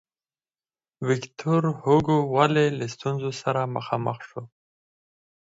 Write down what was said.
ویکتور هوګو ولې له ستونزو سره مخامخ شو.